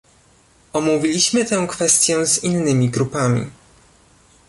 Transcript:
Omówiliśmy tę kwestię z innymi grupami